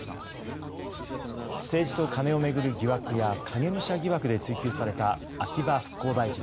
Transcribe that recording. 政治とカネを巡る疑惑や影武者疑惑で追及された秋葉復興大臣。